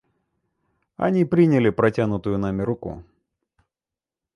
Они приняли протянутую нами руку.